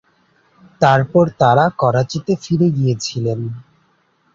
তারপর তাঁরা করাচিতে ফিরে গিয়েছিলেন।